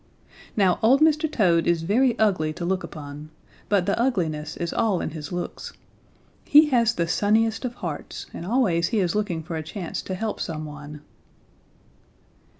Now old Mr. Toad is very ugly to look upon, but the ugliness is all in his looks. He has the sunniest of hearts and always he is looking for a chance to help someone.